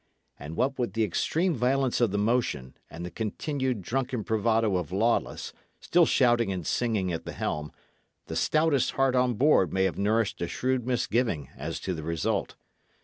And what with the extreme violence of the motion, and the continued drunken bravado of Lawless, still shouting and singing at the helm, the stoutest heart on board may have nourished a shrewd misgiving as to the result.